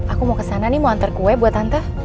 aku mau kesana nih mau antar kue buat tante